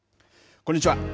こんにちは。